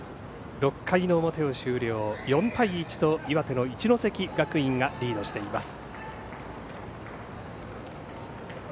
６回の表が終了、４対１と岩手の一関学院がリードしています。